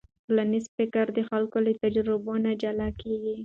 ټولنیز فکر د خلکو له تجربو نه جلا کېږي.